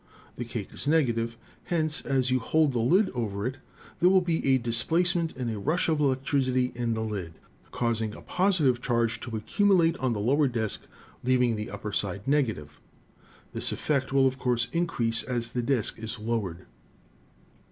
The cake is negative, hence as you hold the lid over it there will be a displacement and a rush of elec tricity in the lid, causing a positive charge to accumulate on the lower side, leaving the upper side negative. This effect will of course increase as the disk is lowered.